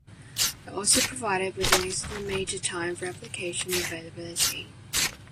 They are also provided with an estimated time for application availability.